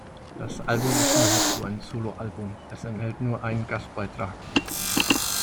Das Album ist nahezu ein Soloalbum, es enthält nur einen Gastbeitrag.